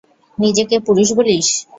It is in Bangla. নিজেকে পুরুষ বলিস?